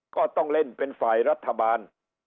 ก็ต้องเล่นเป็นฝ่ายรัฐบาล